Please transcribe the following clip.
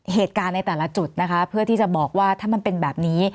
เหตุการณ์ในแต่ละจุดนะคะเพื่อที่จะบอกว่าถ้ามันเป็นแบบนี้